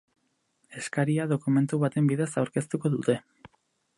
Eskaria dokumentu baten bidez aurkeztuko dute.